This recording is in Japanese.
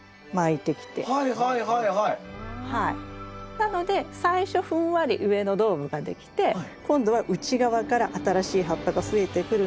なので最初ふんわり上のドームができて今度は内側から新しい葉っぱが増えてくるので。